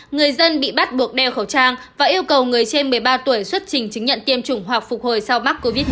người dân bị bắt buộc đeo khẩu trang và yêu cầu người trên một mươi ba tuổi xuất trình chứng nhận tiêm chủng hoặc phục hồi sau mắc covid một mươi chín